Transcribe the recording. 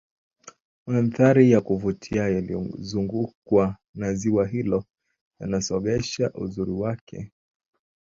mandhari ya kuvutia yaliozungukwa na ziwa hilo yananogesha uzuri wake